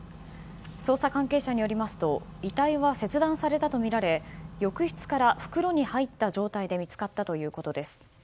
捜査関係者によりますと遺体は切断されたとみられ浴室から袋に入った状態で見つかったということです。